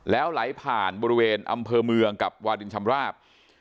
แล้วไหลผ่านบริเวณอำเภอเมืองกับวาดินชำราบ